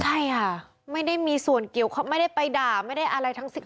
ใช่ค่ะไม่ได้มีส่วนเกี่ยวข้องไม่ได้ไปด่าไม่ได้อะไรทั้งสิ้น